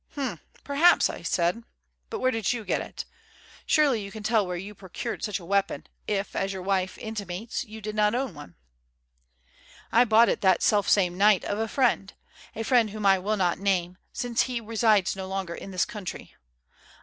"Hum, perhaps," said I; "but where did you get it. Surely you can tell where you procured such a weapon, if, as your wife intimates, you did not own one." "I bought it that selfsame night of a friend; a friend whom I will not name, since he resides no longer in this country.